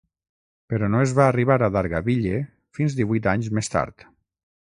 Però no es va arribar a Dargaville fins divuit anys més tard.